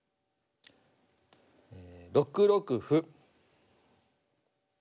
６六歩。